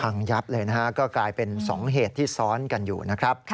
ยับเลยนะฮะก็กลายเป็น๒เหตุที่ซ้อนกันอยู่นะครับ